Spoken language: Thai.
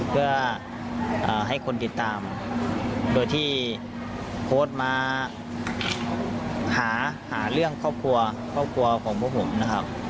เพื่อให้คนติดตามโดยที่โพสต์มาหาเรื่องครอบครัวครอบครัวของพวกผมนะครับ